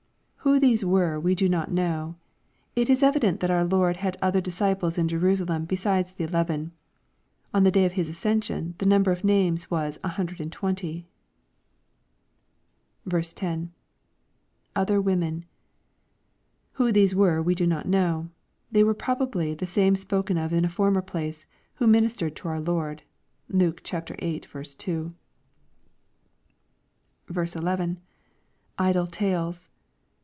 l Who these were we do not know. It is evi dent that our Lord had other disciples in Jerusalem beside the eleven. On the day of His ascension the number of names was a " hundred and twenty." 10. — [Other women.] Who these were we do not know. They were probably the same spoken of in a former place, who ministered to our Lord. (Luke viii. 2.) 11. — [Idle tales.